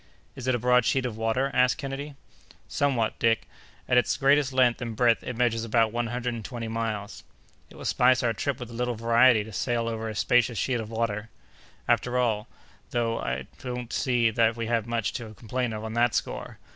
"Is it a broad sheet of water?" asked Kennedy. "Somewhat, Dick. At its greatest length and breadth, it measures about one hundred and twenty miles." "It will spice our trip with a little variety to sail over a spacious sheet of water." "After all, though, I don't see that we have much to complain of on that score.